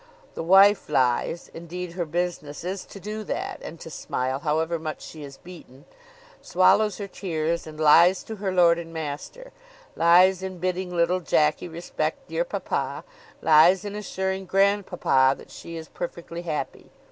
The wife lies (indeed, her business is to do that, and to smile, however much she is beaten), swallows her tears, and lies to her lord and master; lies in bidding little Jackey respect dear papa; lies in assuring grandpapa that she is perfectly happy.